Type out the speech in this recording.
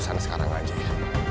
saya ada pendapat dari teman ku dia